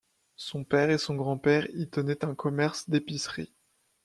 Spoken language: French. Son père et son grand-père y tenaient un commerce d’épicerie.